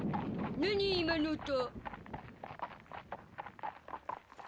何、今の音。